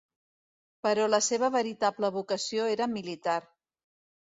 Però la seva veritable vocació era militar.